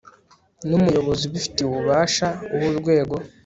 n umuyobozi ubifitiye ububasha w urwego